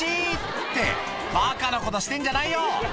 って、ばかなことしてんじゃないよ！